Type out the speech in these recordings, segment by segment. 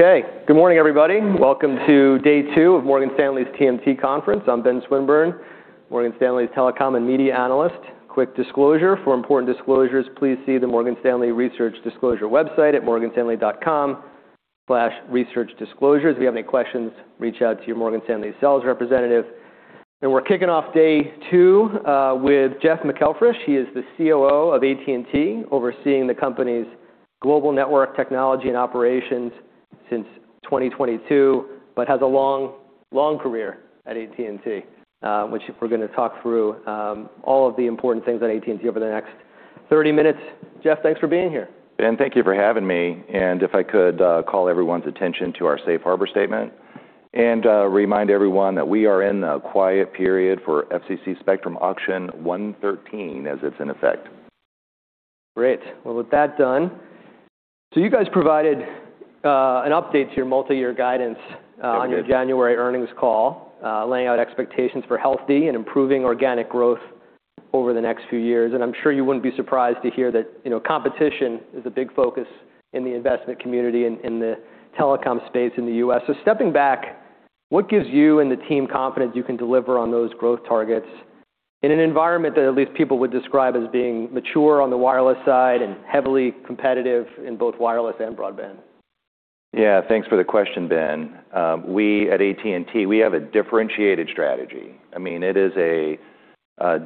Okay. Good morning, everybody. Welcome to day two of Morgan Stanley's TMT conference. I'm Ben Swinburne, Morgan Stanley's telecom and media analyst. Quick disclosure, for important disclosures, please see the Morgan Stanley Research Disclosure website at morganstanley.com/researchdisclosures. If you have any questions, reach out to your Morgan Stanley sales representative. We're kicking off day two with Jeff McElfresh. He is the COO of AT&T, overseeing the company's global network technology and operations since 2022, but has a long, long career at AT&T, which we're gonna talk through all of the important things at AT&T over the next 30 minutes. Jeff, thanks for being here. Ben, thank you for having me. If I could call everyone's attention to our safe harbor statement and remind everyone that we are in a quiet period for FCC Spectrum Auction 113, as it's in effect. Great. Well, with that done. You guys provided an update to your multi-year guidance. Yep On your January earnings call, laying out expectations for healthy and improving organic growth over the next few years. I'm sure you wouldn't be surprised to hear that, you know, competition is a big focus in the investment community and in the telecom space in the U.S. Stepping back, what gives you and the team confidence you can deliver on those growth targets in an environment that at least people would describe as being mature on the wireless side and heavily competitive in both wireless and broadband? Yeah. Thanks for the question, Ben. We at AT&T have a differentiated strategy. I mean, it is a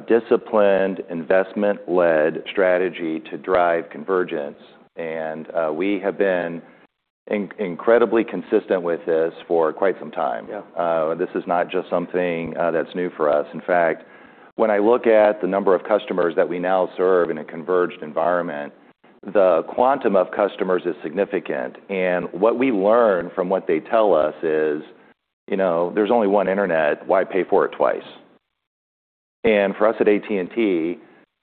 disciplined investment-led strategy to drive convergence, and we have been incredibly consistent with this for quite some time. Yeah. This is not just something that's new for us. In fact, when I look at the number of customers that we now serve in a converged environment, the quantum of customers is significant. What we learn from what they tell us is, you know, there's only one internet, why pay for it twice? For us at AT&T,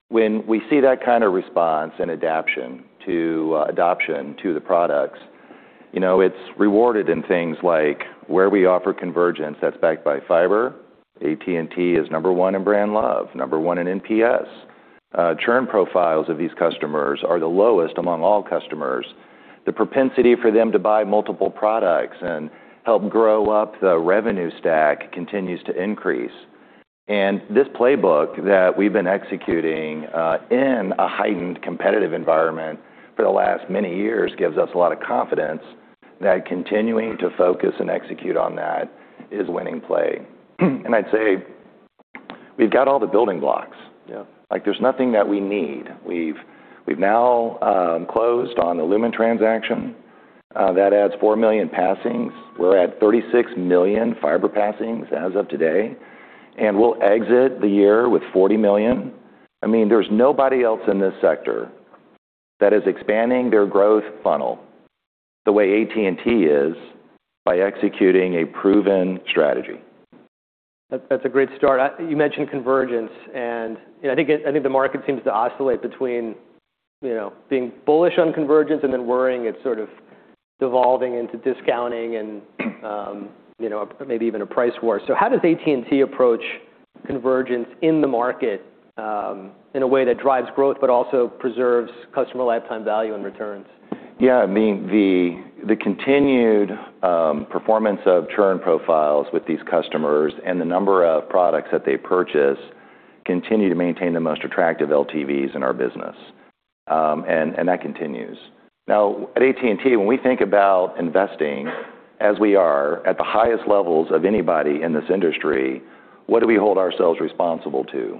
when we see that kinda response and adoption to the products, you know, it's rewarded in things like where we offer convergence that's backed by fiber. AT&T is number one in brand love, number one in NPS. Churn profiles of these customers are the lowest among all customers. The propensity for them to buy multiple products and help grow up the revenue stack continues to increase. This playbook that we've been executing, in a heightened competitive environment for the last many years gives us a lot of confidence that continuing to focus and execute on that is winning play. I'd say we've got all the building blocks. Yeah. Like, there's nothing that we need. We've now closed on the Lumen transaction, that adds 4 million passings. We're at 36 million fiber passings as of today. We'll exit the year with 40 million. I mean, there's nobody else in this sector that is expanding their growth funnel the way AT&T is by executing a proven strategy. That's a great start. You mentioned convergence, and I think the market seems to oscillate between, you know, being bullish on convergence and then worrying it's sort of devolving into discounting and, you know, maybe even a price war. How does AT&T approach convergence in the market, in a way that drives growth but also preserves customer lifetime value and returns? Yeah. I mean, the continued performance of churn profiles with these customers and the number of products that they purchase continue to maintain the most attractive LTVs in our business. That continues. Now, at AT&T, when we think about investing as we are at the highest levels of anybody in this industry, what do we hold ourselves responsible to?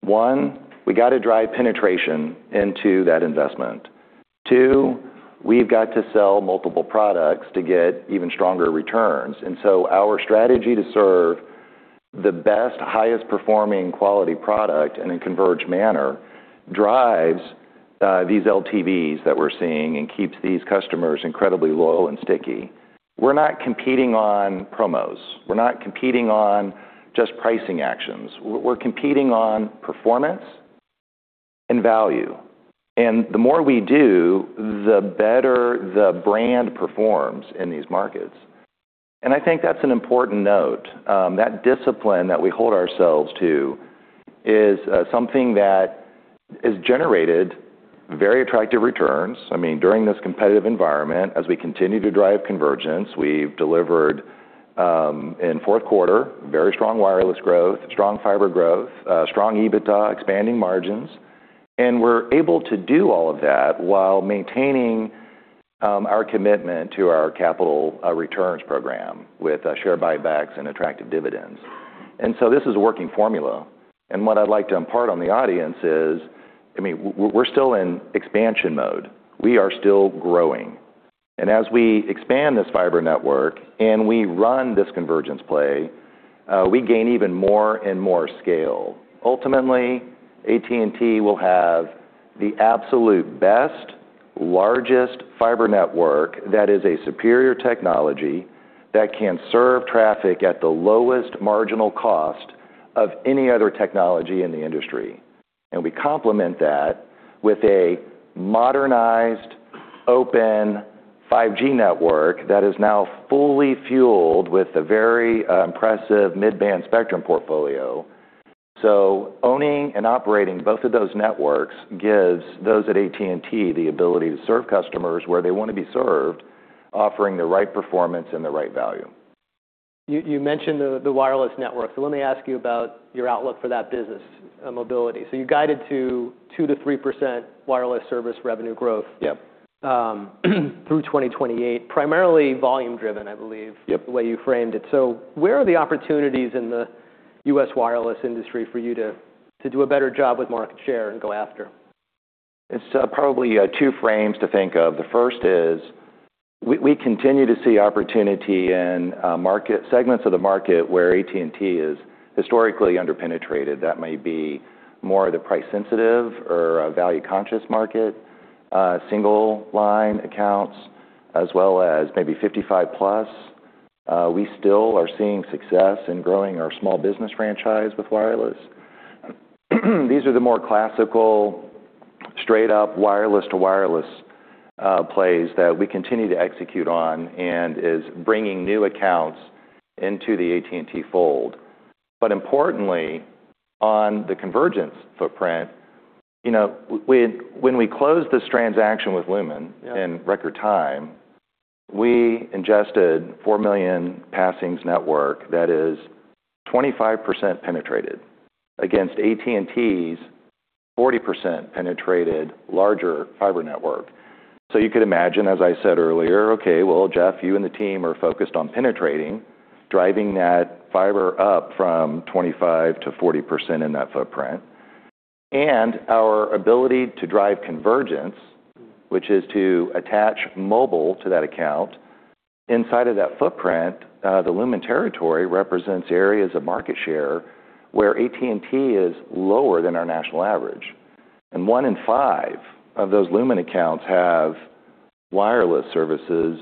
1, we gotta drive penetration into that investment. 2, we've got to sell multiple products to get even stronger returns. Our strategy to serve the best, highest performing quality product in a converged manner drives these LTVs that we're seeing and keeps these customers incredibly loyal and sticky. We're not competing on promos. We're not competing on just pricing actions. We're competing on performance and value. The more we do, the better the brand performs in these markets. I think that's an important note. That discipline that we hold ourselves to is something that has generated very attractive returns. I mean, during this competitive environment, as we continue to drive convergence, we've delivered in fourth quarter, very strong wireless growth, strong fiber growth, strong EBITDA, expanding margins. We're able to do all of that while maintaining our commitment to our capital returns program with share buybacks and attractive dividends. This is a working formula. What I'd like to impart on the audience is, I mean, we're still in expansion mode. We are still growing. As we expand this fiber network and we run this convergence play, we gain even more and more scale. Ultimately, AT&T will have the absolute best, largest fiber network that is a superior technology that can serve traffic at the lowest marginal cost of any other technology in the industry. We complement that with a modernized, open 5G network that is now fully fueled with a very impressive mid-band spectrum portfolio. Owning and operating both of those networks gives those at AT&T the ability to serve customers where they want to be served, offering the right performance and the right value. You mentioned the wireless network. Let me ask you about your outlook for that business, mobility. You guided to 2%-3% wireless service revenue growth. Yep Through 2028, primarily volume driven, I believe. Yep The way you framed it. Where are the opportunities in the U.S. wireless industry for you to do a better job with market share and go after? It's probably two frames to think of. The first is we continue to see opportunity in market segments of the market where AT&T is historically under-penetrated. That may be more of the price-sensitive or a value-conscious market, single line accounts, as well as maybe 55+. We still are seeing success in growing our small business franchise with wireless. These are the more classical, straight-up wireless-to-wireless plays that we continue to execute on and is bringing new accounts into the AT&T fold. Importantly, on the convergence footprint, you know, when we closed this transaction with Lumen. Yeah in record time, we ingested 4 million passings network that is 25% penetrated against AT&T's 40% penetrated larger fiber network. You could imagine, as I said earlier, okay, well, Jeff, you and the team are focused on penetrating, driving that fiber up from 25% - 40% in that footprint. Our ability to drive convergence, which is to attach mobile to that account inside of that footprint, the Lumen territory represents areas of market share where AT&T is lower than our national average, and 1 in 5 of those Lumen accounts have wireless services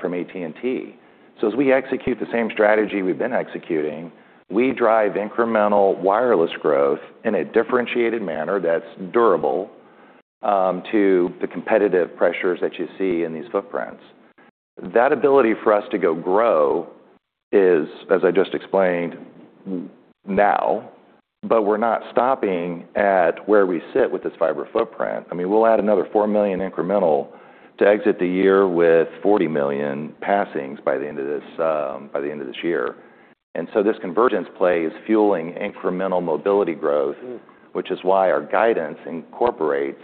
from AT&T. As we execute the same strategy we've been executing, we drive incremental wireless growth in a differentiated manner that's durable to the competitive pressures that you see in these footprints. That ability for us to go grow is, as I just explained now. We're not stopping at where we sit with this fiber footprint. I mean, we'll add another 4 million incremental to exit the year with 40 million passings by the end of this, by the end of this year. This convergence play is fueling incremental mobility growth. Mm-hmm Which is why our guidance incorporates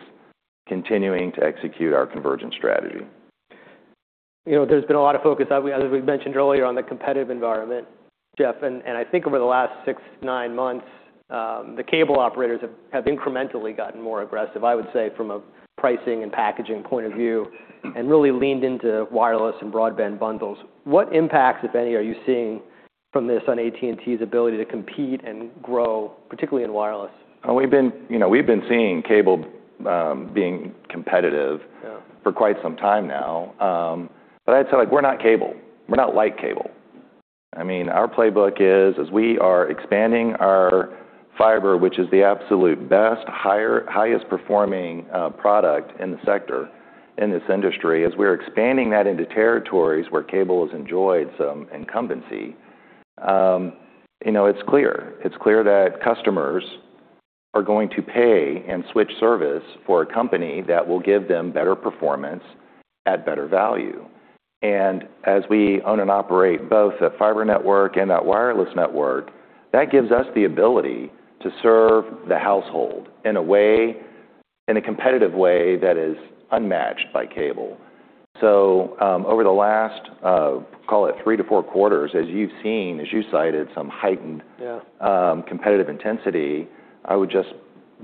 continuing to execute our convergence strategy. You know, there's been a lot of focus, as we've mentioned earlier, on the competitive environment, Jeff, and I think over the last 6, 9 months, the cable operators have incrementally gotten more aggressive, I would say, from a pricing and packaging point of view, and really leaned into wireless and broadband bundles. What impacts, if any, are you seeing from this on AT&T's ability to compete and grow, particularly in wireless? We've been, you know, we've been seeing cable, being competitive. Yeah For quite some time now. But I'd say, like, we're not cable, we're not light cable. I mean, our playbook is, as we are expanding our fiber, which is the absolute best, highest performing product in the sector, in this industry, as we're expanding that into territories where cable has enjoyed some incumbency, you know, it's clear. It's clear that customers are going to pay and switch service for a company that will give them better performance at better value. As we own and operate both the fiber network and that wireless network, that gives us the ability to serve the household in a way, in a competitive way that is unmatched by cable. Over the last, call it 3 to 4 quarters, as you've seen, as you cited some heightened- Yeah Competitive intensity, I would just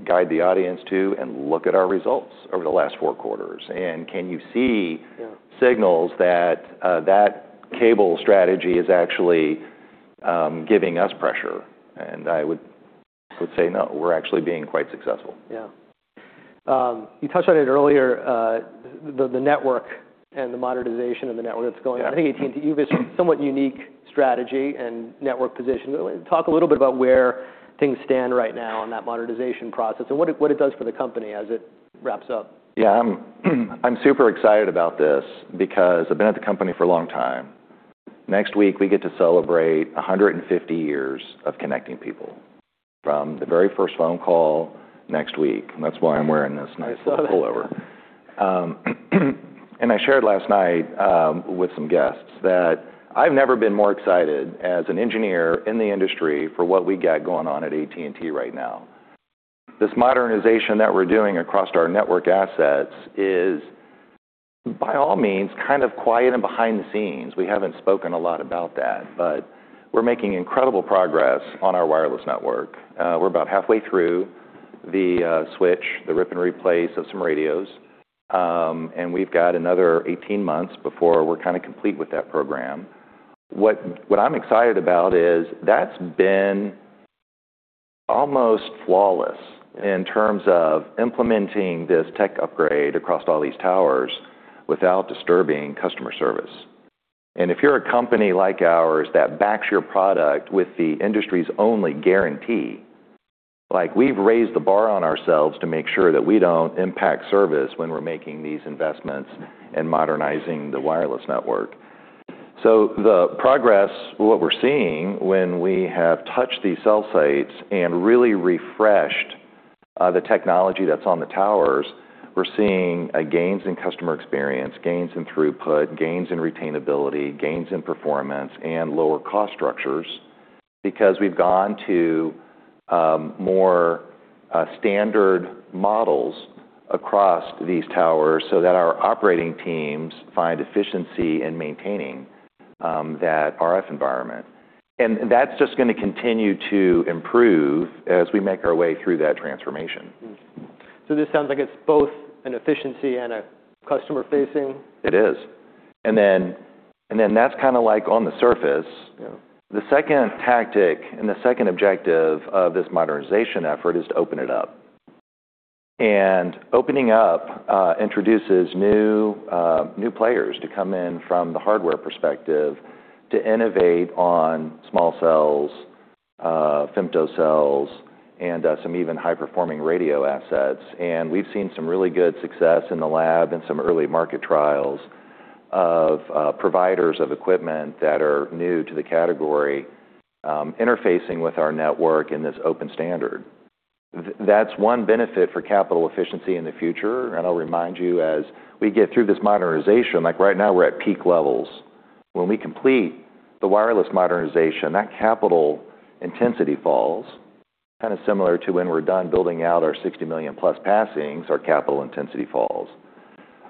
guide the audience to and look at our results over the last four quarters. Yeah Signals that cable strategy is actually giving us pressure? I would say no, we're actually being quite successful. Yeah. you touched on it earlier, the network and the modernization of the network that's going on. Yeah. I think AT&T, you've issued somewhat unique strategy and network position. Talk a little bit about where things stand right now on that modernization process and what it does for the company as it wraps up. Yeah. I'm super excited about this because I've been at the company for a long time. Next week, we get to celebrate 150 years of connecting people from the very first phone call next week. That's why I'm wearing this nice little pullover. I saw that. I shared last night with some guests that I've never been more excited as an engineer in the industry for what we got going on at AT&T right now. This modernization that we're doing across our network assets is by all means, kind of quiet and behind the scenes. We haven't spoken a lot about that, but we're making incredible progress on our wireless network. We're about halfway through the switch, the rip and replace of some radios. We've got another 18 months before we're kinda complete with that program. What I'm excited about is that's been almost flawless in terms of implementing this tech upgrade across all these towers without disturbing customer service. If you're a company like ours that backs your product with the industry's only guarantee, like we've raised the bar on ourselves to make sure that we don't impact service when we're making these investments and modernizing the wireless network. The progress, what we're seeing when we have touched these cell sites and really refreshed the technology that's on the towers, we're seeing gains in customer experience, gains in throughput, gains in retainability, gains in performance, and lower cost structures because we've gone to more standard models across these towers so that our operating teams find efficiency in maintaining that RF environment. That's just gonna continue to improve as we make our way through that transformation. This sounds like it's both an efficiency and a customer-facing. It is. That's kind of like on the surface. Yeah. The second tactic and the second objective of this modernization effort is to open it up. Opening up introduces new players to come in from the hardware perspective to innovate on small cells, femto cells, and some even high-performing radio assets. We've seen some really good success in the lab and some early market trials of providers of equipment that are new to the category, interfacing with our network in this open standard. That's one benefit for capital efficiency in the future. I'll remind you, as we get through this modernization, like right now, we're at peak levels. When we complete the wireless modernization, that capital intensity falls, kind of similar to when we're done building out our 60 million plus passings, our capital intensity falls.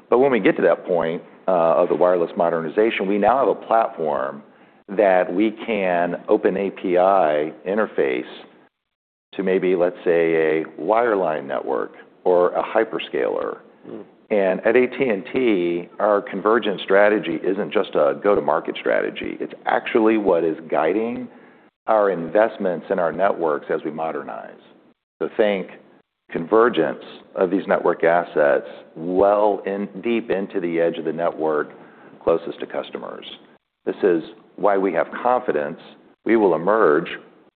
When we get to that point, of the wireless modernization, we now have a platform that we can open API interface to maybe, let's say, a wireline network or a hyperscaler. Mm. At AT&T, our convergence strategy isn't just a go-to-market strategy. It's actually what is guiding our investments in our networks as we modernize. Think convergence of these network assets well deep into the edge of the network closest to customers. This is why we have confidence we will emerge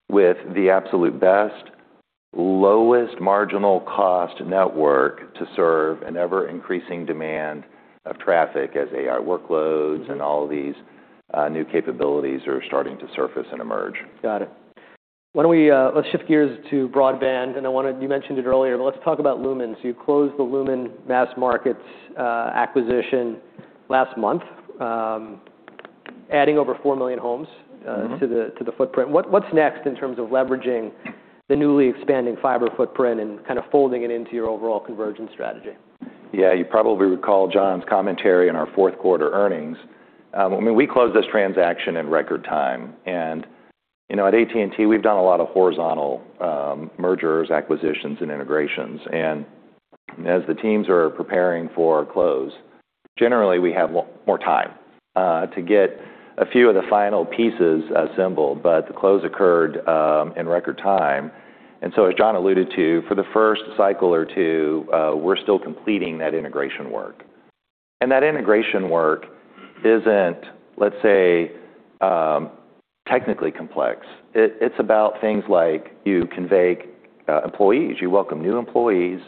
with the absolute best, lowest marginal cost network to serve an ever-increasing demand of traffic as AI workloads. Mm-hmm. All these, new capabilities are starting to surface and emerge. Got it. Why don't we, let's shift gears to broadband. You mentioned it earlier, but let's talk about Lumen. You closed the Lumen's Mass Markets acquisition last month, adding over 4 million homes... Mm-hmm. To the footprint. What's next in terms of leveraging the newly expanding fiber footprint and kind of folding it into your overall convergence strategy? Yeah. You probably recall John's commentary in our fourth quarter earnings. When we closed this transaction in record time, you know, at AT&T, we've done a lot of horizontal mergers, acquisitions, and integrations. As the teams are preparing for a close, generally we have more time to get a few of the final pieces assembled, but the close occurred in record time. As John alluded to, for the first cycle or two, we're still completing that integration work. That integration work isn't, let's say, technically complex. It's about things like you convey employees. You welcome new employees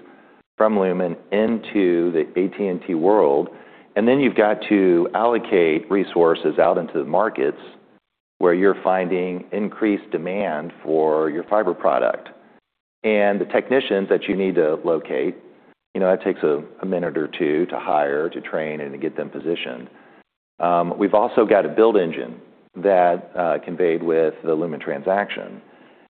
from Lumen into the AT&T world, and then you've got to allocate resources out into the markets where you're finding increased demand for your fiber product. The technicians that you need to locate, you know, that takes a minute or 2 to hire, to train, and to get them positioned. We've also got a build engine that conveyed with the Lumen transaction,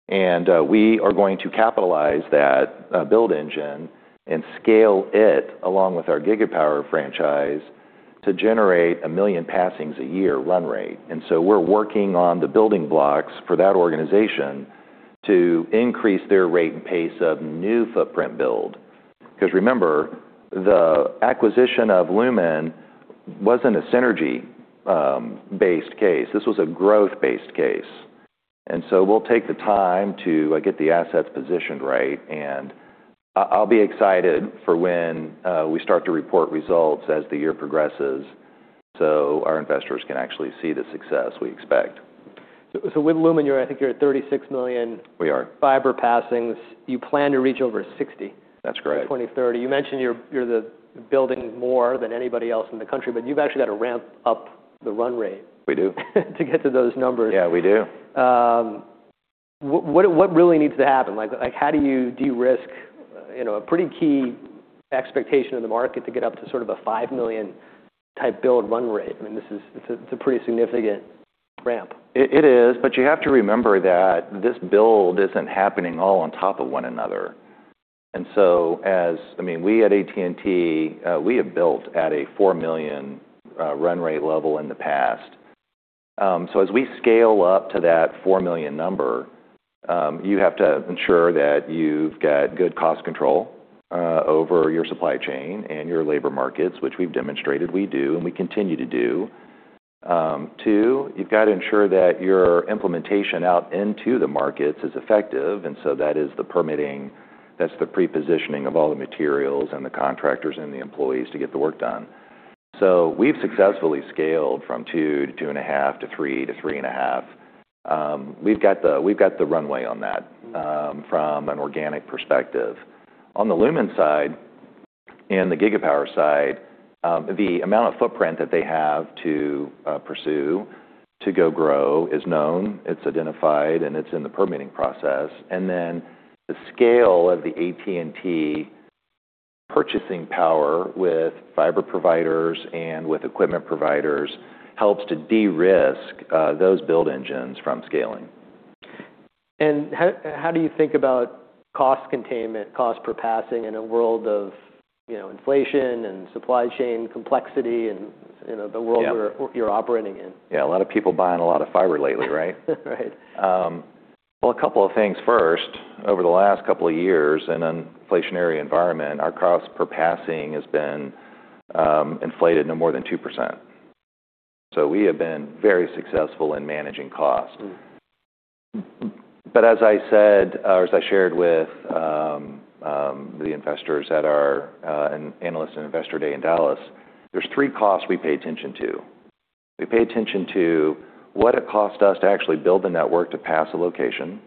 and we are going to capitalize that build engine and scale it along with our Gigapower franchise to generate 1 million passings a year run rate. We're working on the building blocks for that organization to increase their rate and pace of new footprint build. Because remember, the acquisition of Lumen wasn't a synergy based case, this was a growth-based case. We'll take the time to get the assets positioned right, and I'll be excited for when we start to report results as the year progresses, so our investors can actually see the success we expect. With Lumen, you're, I think you're at 36 million. We are. fiber passings. You plan to reach over sixty- That's correct. by 2030. You mentioned you're the building more than anybody else in the country, but you've actually got to ramp up the run rate. We do. to get to those numbers. Yeah, we do. What really needs to happen? Like, how do you de-risk, you know, a pretty key expectation of the market to get up to sort of a $5 million type build run rate? I mean, it's a pretty significant ramp. It is, but you have to remember that this build isn't happening all on top of one another. I mean, we at AT&T, we have built at a 4 million run rate level in the past. As we scale up to that 4 million number, you have to ensure that you've got good cost control over your supply chain and your labor markets, which we've demonstrated we do and we continue to do. Two, you've got to ensure that your implementation out into the markets is effective, that is the permitting, that's the pre-positioning of all the materials and the contractors and the employees to get the work done. We've successfully scaled from 2 to 2.5 to 3 to 3.5. We've got the runway on that from an organic perspective. In the Gigapower side, the amount of footprint that they have to pursue to go grow is known, it's identified, and it's in the permitting process. The scale of the AT&T purchasing power with fiber providers and with equipment providers helps to de-risk those build engines from scaling. How do you think about cost containment, cost per passing in a world of, you know, inflation and supply chain complexity and, you know... Yeah The world you're operating in? Yeah. A lot of people buying a lot of fiber lately, right? Right. Well, a couple of things first. Over the last couple of years in an inflationary environment, our cost per passing has been inflated no more than 2%. We have been very successful in managing cost. Mm. As I said, or as I shared with the investors at our analyst and investor day in Dallas, there's three costs we pay attention to. We pay attention to what it costs us to actually build the network to pass a location.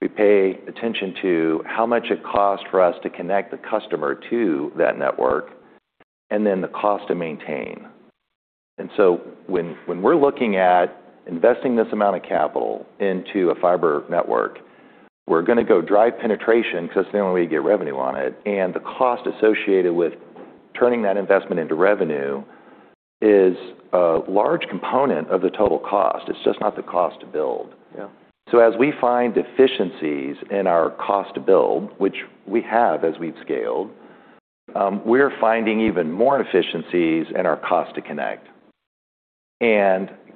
We pay attention to how much it costs for us to connect the customer to that network, and then the cost to maintain. When we're looking at investing this amount of capital into a fiber network, we're gonna go drive penetration because it's the only way you get revenue on it. The cost associated with turning that investment into revenue is a large component of the total cost. It's just not the cost to build. Yeah. As we find efficiencies in our cost to build, which we have as we've scaled, we're finding even more efficiencies in our cost to connect.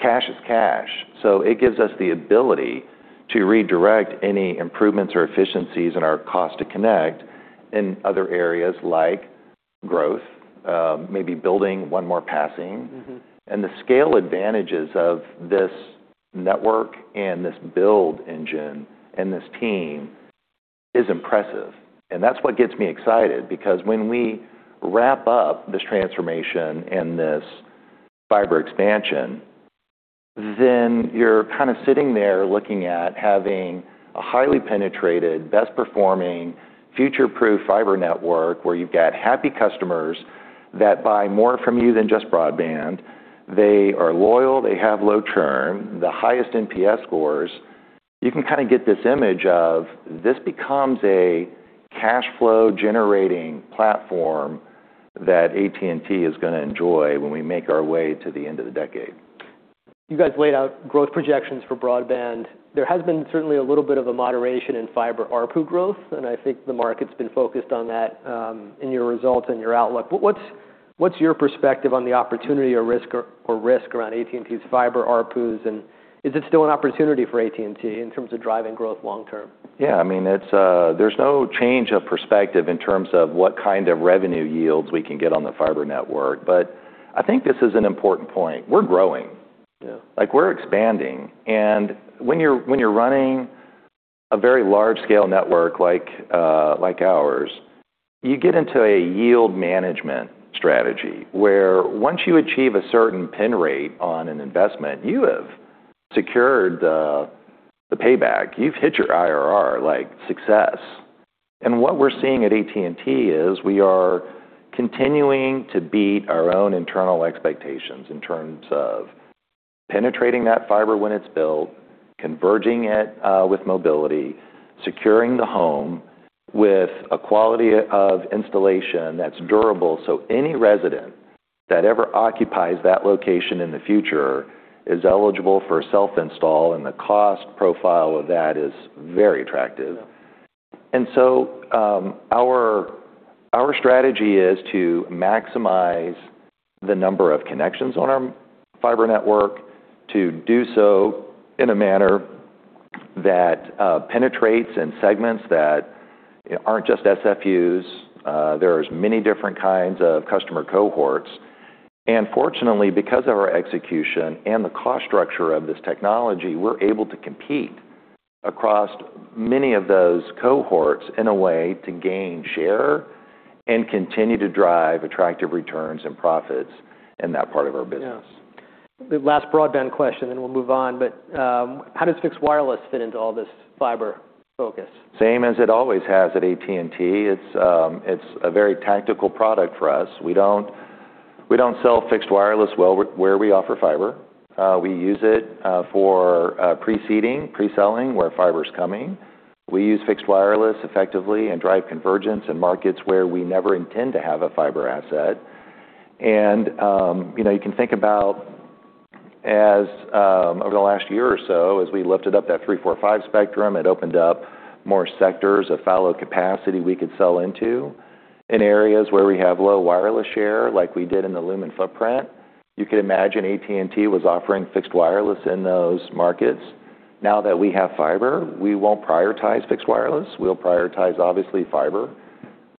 Cash is cash, so it gives us the ability to redirect any improvements or efficiencies in our cost to connect in other areas like growth, maybe building one more passing. Mm-hmm. The scale advantages of this network and this build engine and this team is impressive. That's what gets me excited because when we wrap up this transformation and this fiber expansion, then you're kind of sitting there looking at having a highly penetrated, best performing, future-proof fiber network where you've got happy customers that buy more from you than just broadband. They are loyal, they have low churn, the highest NPS scores. You can kind of get this image of this becomes a cash flow generating platform that AT&T is gonna enjoy when we make our way to the end of the decade. You guys laid out growth projections for broadband. There has been certainly a little bit of a moderation in fiber ARPU growth, and I think the market's been focused on that in your results and your outlook. What's your perspective on the opportunity or risk around AT&T's fiber ARPUs, and is it still an opportunity for AT&T in terms of driving growth long term? Yeah. I mean, it's, there's no change of perspective in terms of what kind of revenue yields we can get on the fiber network. I think this is an important point. We're growing. Yeah. Like, we're expanding. When you're running a very large scale network like ours, you get into a yield management strategy where once you achieve a certain pen rate on an investment, you have secured the payback. You've hit your IRR, like, success. What we're seeing at AT&T is we are continuing to beat our own internal expectations in terms of penetrating that fiber when it's built, converging it with mobility, securing the home with a quality of installation that's durable, so any resident that ever occupies that location in the future is eligible for self-install, and the cost profile of that is very attractive. Yeah. Our strategy is to maximize the number of connections on our fiber network to do so in a manner that, penetrates in segments that, you know, aren't just SFUs. There's many different kinds of customer cohorts. Fortunately, because of our execution and the cost structure of this technology, we're able to compete across many of those cohorts in a way to gain share and continue to drive attractive returns and profits in that part of our business. Yeah. The last broadband question then we'll move on, but, how does fixed wireless fit into all this fiber focus? Same as it always has at AT&T. It's a very tactical product for us. We don't sell fixed wireless well where we offer fiber. We use it for preceding, pre-selling where fiber's coming. We use fixed wireless effectively and drive convergence in markets where we never intend to have a fiber asset. You know, you can think about as over the last year or so, as we lifted up that 3, 4, 5 spectrum, it opened up more sectors of fallow capacity we could sell into in areas where we have low wireless share, like we did in the Lumen footprint. You can imagine AT&T was offering fixed wireless in those markets. Now that we have fiber, we won't prioritize fixed wireless. We'll prioritize obviously fiber.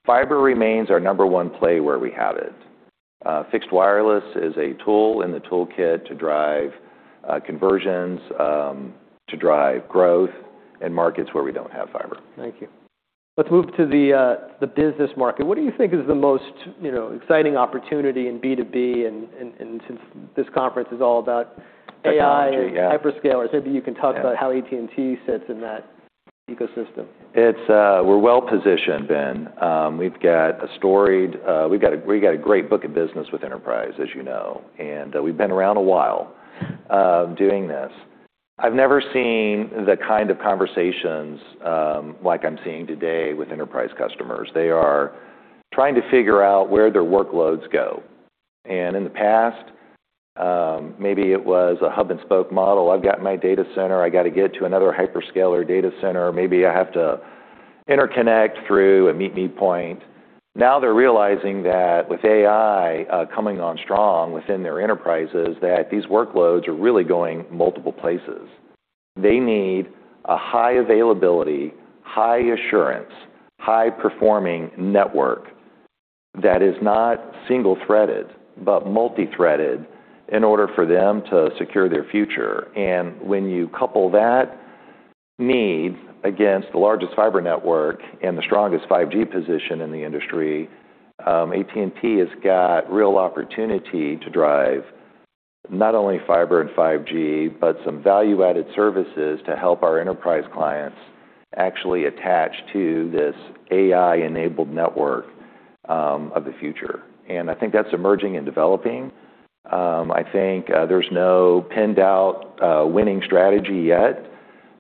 Fiber remains our number 1 play where we have it. fixed wireless is a tool in the toolkit to drive, conversions, to drive growth in markets where we don't have fiber. Thank you. Let's move to the business market. What do you think is the most, you know, exciting opportunity in B2B and since this conference is all about AI. Technology, yeah. Hyperscalers, maybe you can talk about how AT&T sits in that ecosystem. It's, we're well-positioned, Ben. We've got a storied, we got a great book of business with Enterprise, as you know, we've been around a while doing this. I've never seen the kind of conversations like I'm seeing today with Enterprise customers. They are trying to figure out where their workloads go. In the past, maybe it was a hub and spoke model. I've got my data center, I got to get to another hyperscaler data center, maybe I have to interconnect through a meet-me point. Now they're realizing that with AI coming on strong within their enterprises, that these workloads are really going multiple places. They need a high availability, high assurance, high-performing network that is not single-threaded, but multi-threaded in order for them to secure their future. When you couple that need against the largest fiber network and the strongest 5G position in the industry, AT&T has got real opportunity to drive not only fiber and 5G, but some value-added services to help our enterprise clients actually attach to this AI-enabled network of the future. I think that's emerging and developing. I think there's no pinned out winning strategy yet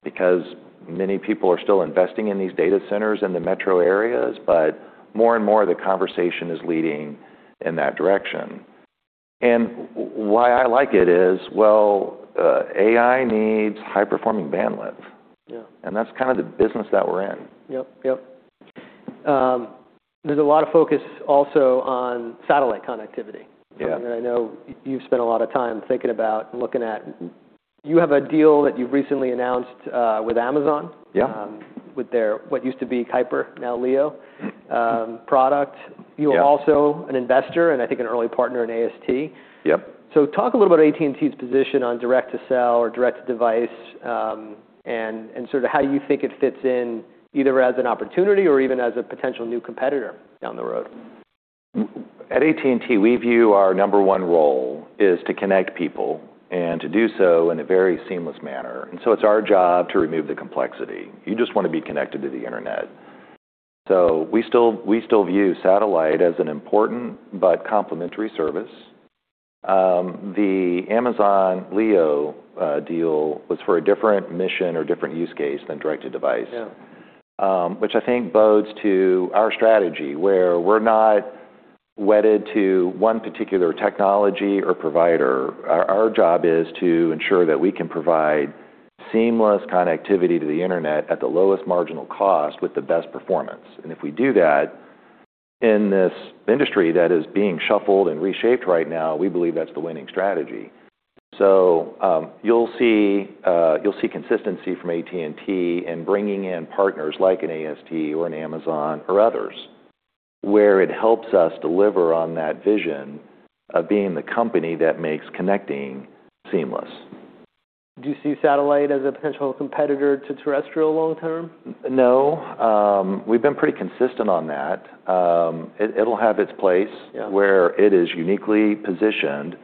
because many people are still investing in these data centers in the metro areas. More and more the conversation is leading in that direction. Why I like it is, well, AI needs high-performing bandwidth. Yeah. That's kind of the business that we're in. Yep. Yep. There's a lot of focus also on satellite connectivity. Yeah. I know you've spent a lot of time thinking about and looking at. You have a deal that you've recently announced, with Amazon- Yeah With their, what used to be Project Kuiper, now Amazon LEO, product. Yeah. You are also an investor, and I think an early partner in AST. Yep. Talk a little about AT&T's position on direct-to-cell or direct-to-device, and sort of how you think it fits in either as an opportunity or even as a potential new competitor down the road? At AT&T, we view our number one role is to connect people and to do so in a very seamless manner. It's our job to remove the complexity. You just want to be connected to the internet. We still view satellite as an important but complementary service. The Amazon LEO deal was for a different mission or different use case than direct-to-device. Yeah. Which I think bodes to our strategy, where we're not wedded to one particular technology or provider. Our, our job is to ensure that we can provide seamless connectivity to the internet at the lowest marginal cost with the best performance. If we do that in this industry that is being shuffled and reshaped right now, we believe that's the winning strategy. You'll see, you'll see consistency from AT&T in bringing in partners like an AST or an Amazon or others, where it helps us deliver on that vision of being the company that makes connecting seamless. Do you see satellite as a potential competitor to terrestrial long term? No. We've been pretty consistent on that. It, it'll have its place- Yeah Where it is uniquely positioned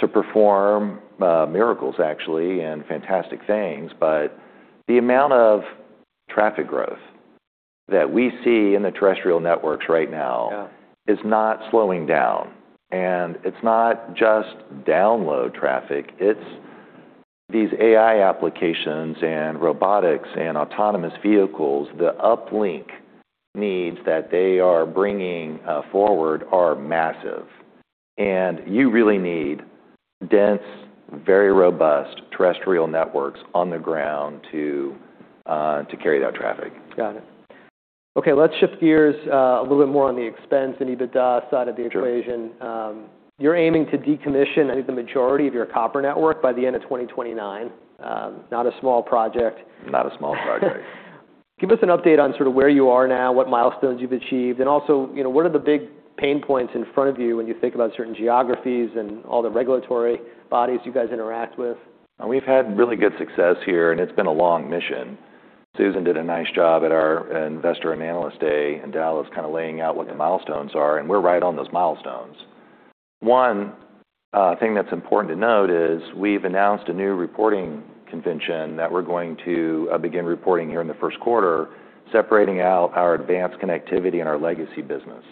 to perform, miracles actually, and fantastic things. The amount of traffic growth that we see in the terrestrial networks right now... Yeah is not slowing down. It's not just download traffic, it's these AI applications and robotics and autonomous vehicles, the uplink needs that they are bringing forward are massive. You really need dense, very robust terrestrial networks on the ground to carry that traffic. Got it. Okay, let's shift gears, a little bit more on the expense and EBITDA side of the equation. Sure. You're aiming to decommission, I think, the majority of your copper network by the end of 2029. Not a small project. Not a small project. Give us an update on sort of where you are now, what milestones you've achieved, and also, you know, what are the big pain points in front of you when you think about certain geographies and all the regulatory bodies you guys interact with? We've had really good success here, and it's been a long mission. Susan did a nice job at our investor and analyst day in Dallas, kind of laying out what the milestones are, and we're right on those milestones. One thing that's important to note is we've announced a new reporting convention that we're going to begin reporting here in the first quarter, separating out our Advanced Connectivity and our legacy business.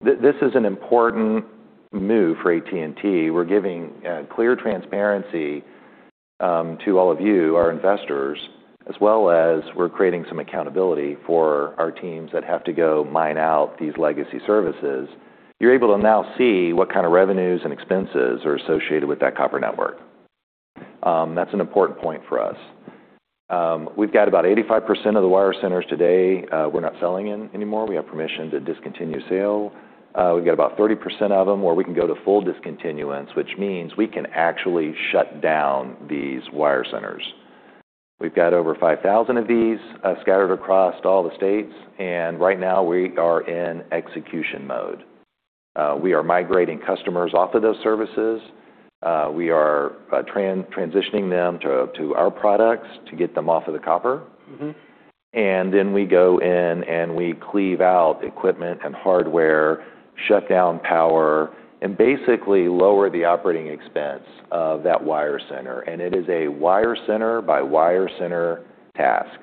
This is an important move for AT&T. We're giving clear transparency to all of you, our investors, as well as we're creating some accountability for our teams that have to go mine out these legacy services. You're able to now see what kind of revenues and expenses are associated with that copper network. That's an important point for us. We've got about 85% of the wire centers today, we're not selling in anymore. We have permission to discontinue sale. We've got about 30% of them where we can go to full discontinuance, which means we can actually shut down these wire centers. We've got over 5,000 of these, scattered across all the states. Right now we are in execution mode. We are migrating customers off of those services. We are transitioning them to our products to get them off of the copper. Mm-hmm. Then we go in and we cleave out equipment and hardware, shut down power, and basically lower the operating expense of that wire center. It is a wire center by wire center task.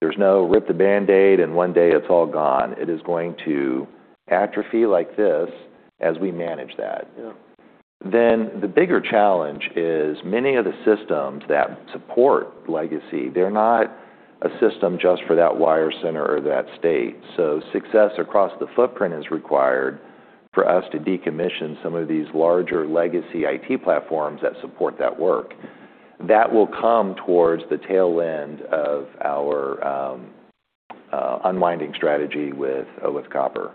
There's no rip the Band-Aid and one day it's all gone. It is going to atrophy like this as we manage that. Yeah. The bigger challenge is many of the systems that support legacy, they're not a system just for that wire center or that state. Success across the footprint is required for us to decommission some of these larger legacy IT platforms that support that work. That will come towards the tail end of our unwinding strategy with copper.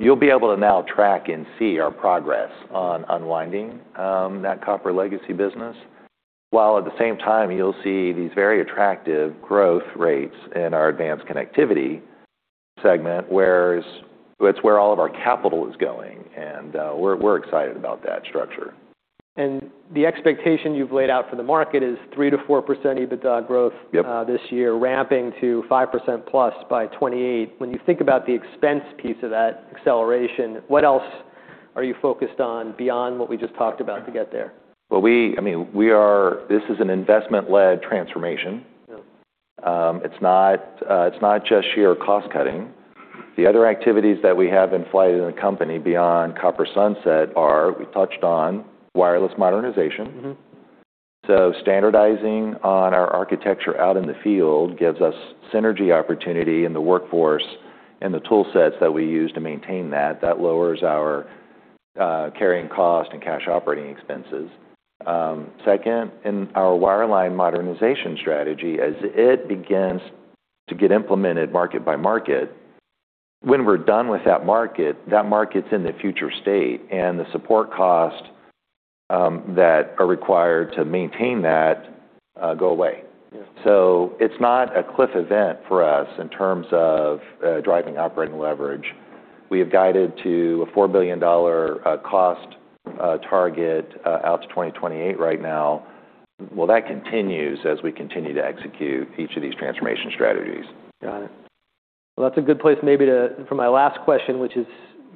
You'll be able to now track and see our progress on unwinding that copper legacy business, while at the same time you'll see these very attractive growth rates in our Advanced Connectivity segment, whereas it's where all of our capital is going and we're excited about that structure. The expectation you've laid out for the market is 3% - 4% EBITDA growth. Yep This year, ramping to 5%+ by 2028. When you think about the expense piece of that acceleration, what else are you focused on beyond what we just talked about to get there? Well, I mean, this is an investment-led transformation. Yep. It's not just sheer cost-cutting. The other activities that we have in flight in the company beyond copper sunset are, we touched on wireless modernization. Standardizing on our architecture out in the field gives us synergy opportunity in the workforce and the tool sets that we use to maintain that. That lowers our carrying cost and cash operating expenses. Second, in our wireline modernization strategy, as it begins to get implemented market by market, when we're done with that market, that market's in the future state, and the support costs that are required to maintain that go away. Yeah. It's not a cliff event for us in terms of driving operating leverage. We have guided to a $4 billion cost target out to 2028 right now. That continues as we continue to execute each of these transformation strategies. Got it. Well, that's a good place maybe for my last question, which is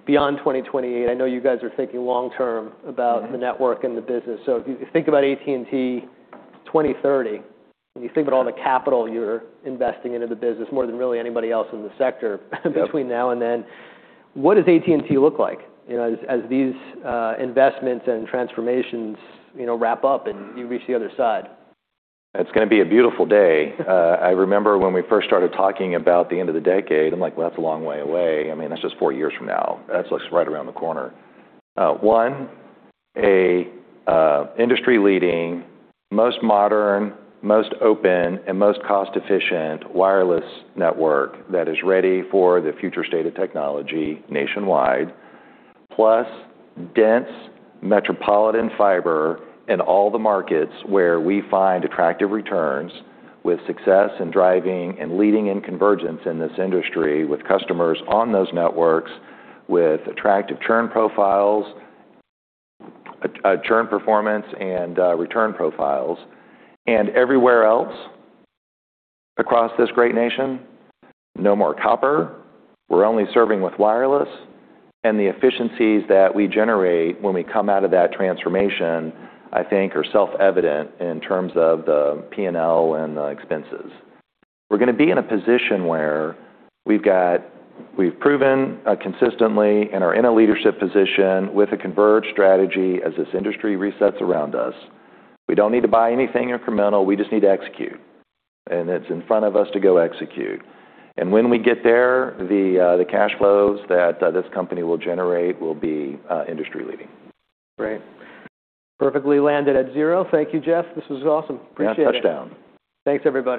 beyond 2028. I know you guys are thinking long term about the network and the business. If you think about AT&T 2030, and you think about all the capital you're investing into the business more than really anybody else in the sector between now and then, what does AT&T look like, you know, as these investments and transformations, you know, wrap up and you reach the other side? It's gonna be a beautiful day. I remember when we first started talking about the end of the decade, I'm like, "Well, that's a long way away." I mean, that's just four years from now. That's looks right around the corner. one, a, industry-leading, most modern, most open, and most cost-efficient wireless network that is ready for the future state of technology nationwide. Plus, dense metropolitan fiber in all the markets where we find attractive returns with success in driving and leading in convergence in this industry with customers on those networks with attractive churn profiles, a churn performance and return profiles. Everywhere else across this great nation, no more copper. We're only serving with wireless. The efficiencies that we generate when we come out of that transformation, I think, are self-evident in terms of the P&L and the expenses. We're gonna be in a position where we've proven consistently and are in a leadership position with a converged strategy as this industry resets around us. We don't need to buy anything incremental, we just need to execute, and it's in front of us to go execute. When we get there, the cash flows that this company will generate will be industry-leading. Great. Perfectly landed at zero. Thank you, Jeff. This was awesome. Appreciate it. Yeah, touchdown. Thanks, everybody.